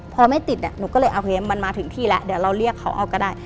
พอไม่ติดหนูก็เลยโอเคมันมาถึงที่แล้วเดี๋ยวเราเรียกเขาเอาก็ได้